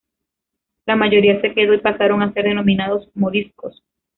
La mayoría se quedó y pasaron a ser denominados 'moriscos'.